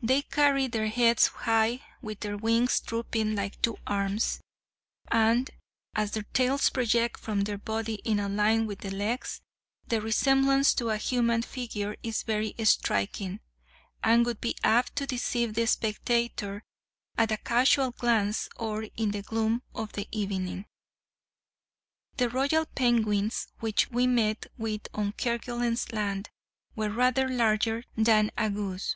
They carry their heads high with their wings drooping like two arms, and, as their tails project from their body in a line with the legs, the resemblance to a human figure is very striking, and would be apt to deceive the spectator at a casual glance or in the gloom of the evening. The royal penguins which we met with on Kerguelen's Land were rather larger than a goose.